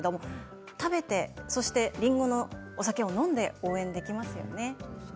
食べてそしてりんごのお酒を飲んで応援することができますよね。